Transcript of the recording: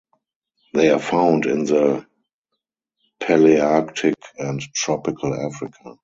They are found in the Palearctic and tropical Africa.